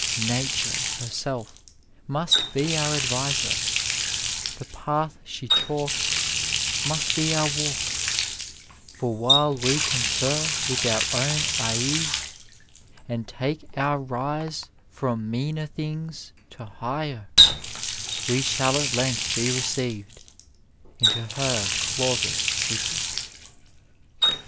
Nature her self e must be our adviser ; the path she chalks must be our walk : for so while we confer with our own eies, and take our rise from meaner things to higher, we shall at length be received into her Closet secrets.